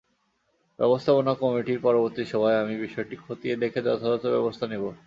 ব্যবস্থাপনা কমিটির পরবর্তী সভায় আমি বিষয়টি খতিয়ে দেখে যথাযথ ব্যবস্থা নেব।